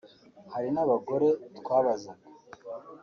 Hari n’abagore twabazaga